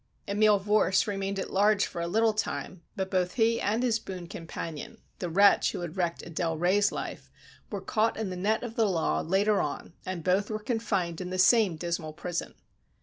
Emile Vorse remained at large for a little time, but both he and his boon companion—the wretch who had wrecked Adele Ray's life—were caught in the net of the law later on and both were confined in the same dismal prison.